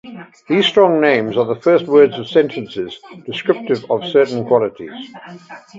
"These "strong names" are the first words of sentences descriptive of certain qualities."